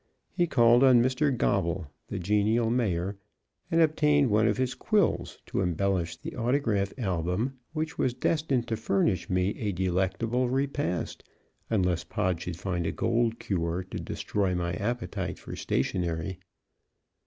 He called on Mr. Gobble, the genial Mayor, and obtained one of his quills to embellish the autograph album which was destined to furnish me a delectable repast, unless Pod should find a gold cure to destroy my appetite for stationery.